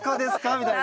みたいな。